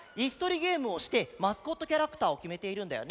ゲームをしてマスコットキャラクターをきめているんだよね？